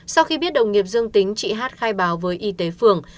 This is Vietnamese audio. sau khi biết đồng nghiệp dương tính chị hát khai báo với y tế phường